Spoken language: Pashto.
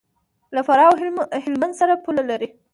له فراه او هلمند سره پوله لري.